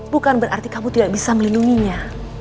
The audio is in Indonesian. bukan berarti kamu tidak bisa melindunginya